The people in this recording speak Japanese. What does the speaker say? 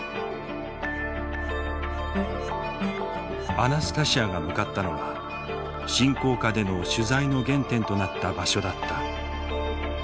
アナスタシヤが向かったのは侵攻下での取材の原点となった場所だった。